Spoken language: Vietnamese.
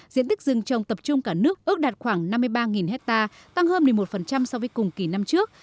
diện tích rừng trồng tập trung cả nước ước đạt khoảng năm mươi ba hectare tăng hơn một mươi một so với cùng kỳ năm trước